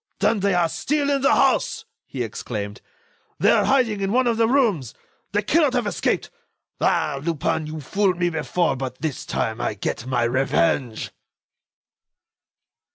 "Then they are still in the house!" he exclaimed. "They are hiding in one of the rooms! They cannot have escaped. Ah! Lupin, you fooled me before, but, this time, I get my revenge."